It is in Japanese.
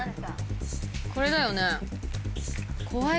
これだよね？